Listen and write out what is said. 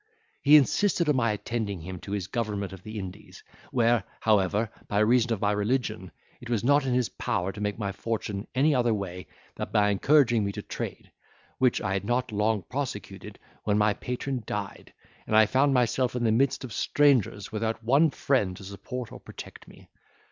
He insisted on my attending, him to his government of the Indies, where, however, by reason of my religion, it was not in his power to make my fortune any other way than by encouraging me to trade, which I had not long prosecuted when my patron died, and I found myself in the midst of strangers, without one friend to support or protect me.